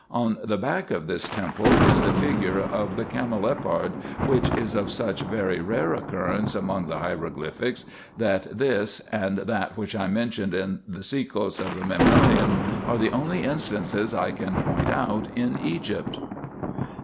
On the back of this temple is the figure of the camelopard, which is of such very rare occurrence among the hieroglyphics, that this, and that which I mentioned in the sekos of the Memnonium, are the only instances I can point out in Egypt.